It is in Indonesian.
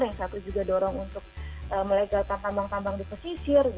yang satu juga dorong untuk melegalkan tambang tambang di pesisir